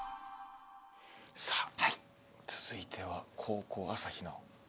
さあ続いては後攻朝日奈央。